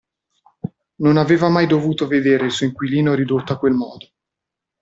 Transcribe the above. Non aveva mai dovuto vedere il suo inquilino ridotto a quel modo.